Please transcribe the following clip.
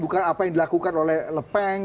bukan apa yang dilakukan oleh lepeng